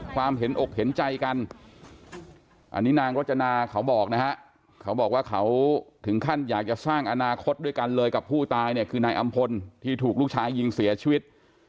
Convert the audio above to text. ความเห็นอกเห็นใจกันอันนี้นางรจนาเขาบอกนะฮะเขาบอกว่าเขาถึงขั้นอยากจะสร้างอนาคตด้วยกันเลยกับผู้ตายเนี่ยคือนายอำพลที่ถูกลูกชายยิงเสียชีวิต